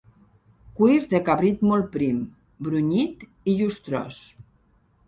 Cuir de cabrit molt prim, brunyit i llustrós.